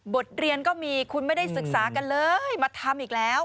บทเรียนก็มีคุณไม่ได้ศึกษากันเลยมาทำอีกแล้ว